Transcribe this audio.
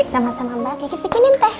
sama sama mbak kiki bikinin teh